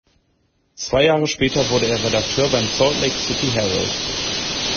Zwei Jahre später wurde er Redakteur beim "Salt Lake City Herald".